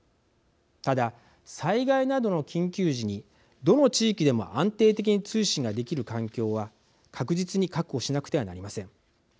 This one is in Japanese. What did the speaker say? ただ災害などの緊急時にどの地域でも安定的に通信ができる環境は確実に確保しなくてはなりません。